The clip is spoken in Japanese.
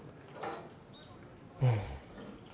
うん。